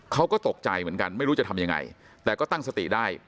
เขาก็ตกใจเหมือนกันไม่รู้จะทำยังไงแต่ก็ตั้งสติได้